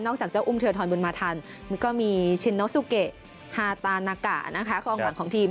จากเจ้าอุ้มเทียทรบุญมาทันก็มีชินโนซูเกะฮาตานากะนะคะกองหลังของทีม